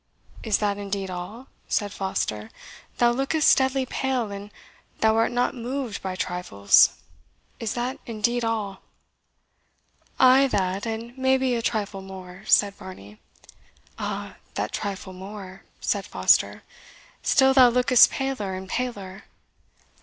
"Is that indeed all?" said Foster; "thou lookest deadly pale, and thou art not moved by trifles is that indeed all?" "Ay, that and maybe a trifle more," said Varney. "Ah, that trifle more!" said Foster; "still thou lookest paler and paler."